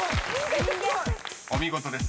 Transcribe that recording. ［お見事です。